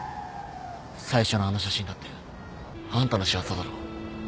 最初のあの写真だってあんたの仕業だろ。